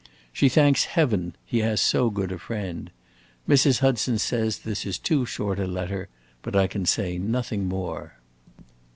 She thanks Heaven he has so good a friend. Mrs. Hudson says that this is too short a letter, but I can say nothing more.